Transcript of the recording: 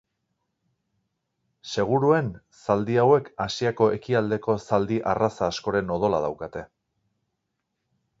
Seguruen zaldi hauek Asiako ekialdeko zaldi arraza askoren odola daukate.